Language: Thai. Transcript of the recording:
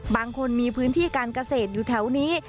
บางคนมีพื้นที่การเกษตรอยู่แถวนี้